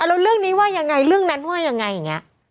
แล้วเรื่องนี้ว่ายังไงเรื่องนั้นว่ายังไงอย่างนี้